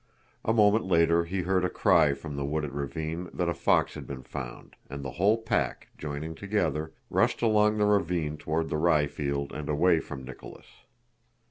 A moment later he heard a cry from the wooded ravine that a fox had been found, and the whole pack, joining together, rushed along the ravine toward the ryefield and away from Nicholas.